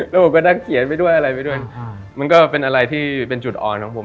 แล้วผมก็นั่งเขียนไปด้วยอะไรไปด้วยมันก็เป็นอะไรที่เป็นจุดอ่อนของผม